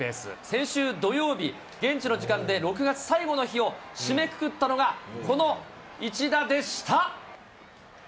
先週土曜日、現地の時間で６月最後の日を締めくくったのが、この一打でした。